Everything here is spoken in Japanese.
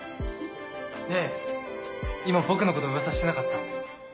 ねぇ今僕のこと噂してなかった？